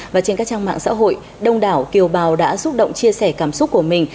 và trên các trang mạng xã hội đông đảo kiều bào đã xúc động chia sẻ cảm xúc của mình